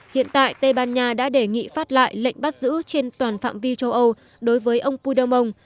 hiện tại tây ban nha đã đề nghị phát lại lệnh bắt giữ trên toàn phạm vi châu âu đối với ông puder mon